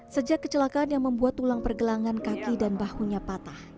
sejak kecelakaan yang membuat tulang pergelangan kaki dan bahunya patah